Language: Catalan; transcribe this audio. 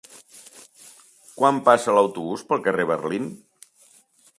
Quan passa l'autobús pel carrer Berlín?